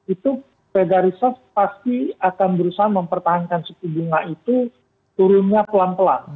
itu fed dari soft pasti akan berusaha mempertahankan suku bunga itu turunnya pelan pelan